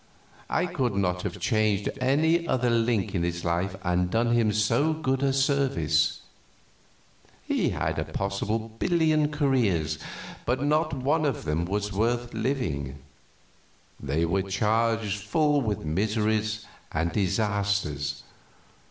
I could not have changed any other link in his life and done him so good a service. He had a billion possible careers, but not one of them was worth living; they were charged full with miseries and disasters.